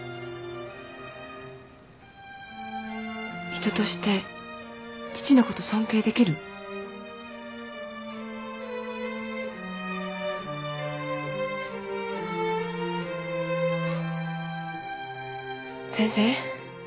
人として父のこと尊敬できる？先生。